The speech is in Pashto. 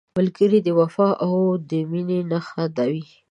ملګری د وفا او مینې نښه وي